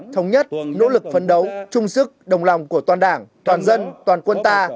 thống nhất nỗ lực phấn đấu trung sức đồng lòng của toàn đảng toàn dân toàn quân ta